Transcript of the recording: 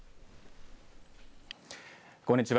こんにちは。